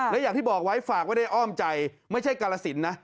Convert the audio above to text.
และอย่างที่บอกไว้ฝากไว้ในอ้อมใจไม่ใช่กาลสินนะ